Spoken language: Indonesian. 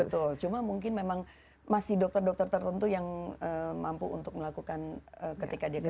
betul cuma mungkin memang masih dokter dokter tertentu yang mampu untuk melakukan ketika dia bekerja